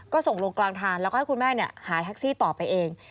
ก็ส่งลงกลางทางแล้วก็ให้คุณแม่หาแท็กซี่ต่อไปเอง